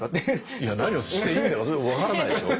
いや何をしていいんだかそれ分からないでしょう。